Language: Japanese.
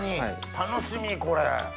楽しみこれ！